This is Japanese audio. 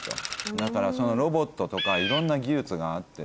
だからロボットとかいろんな技術があってですね。